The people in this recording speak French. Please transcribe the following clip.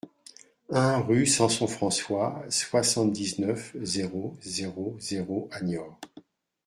un rue Samson François, soixante-dix-neuf, zéro zéro zéro à Niort